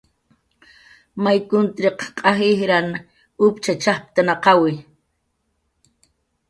May kutriq q'aj ijrnan uptxach jajptnaqawi